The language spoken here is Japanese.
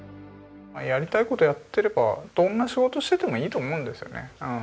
やりたい事やってればどんな仕事をしててもいいと思うんですよねうん。